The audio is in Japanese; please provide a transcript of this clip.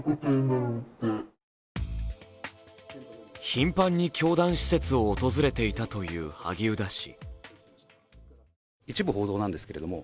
頻繁に教団施設を訪れていたという萩生田氏。